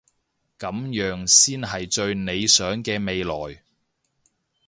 噉樣先係最理想嘅未來